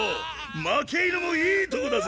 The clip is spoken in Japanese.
負け犬もいいとこだぜ！